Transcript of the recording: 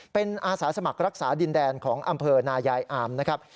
เป็นอาสาสมัครรักษาดินแดนของอำเภอนายายอามนะครับ